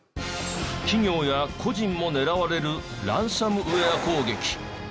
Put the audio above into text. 企業や個人も狙われるランサムウェア攻撃。